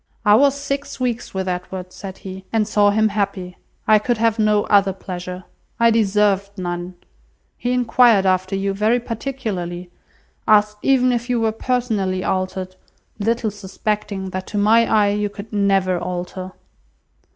"I was six weeks with Edward," said he, "and saw him happy. I could have no other pleasure. I deserved none. He enquired after you very particularly; asked even if you were personally altered, little suspecting that to my eye you could never alter."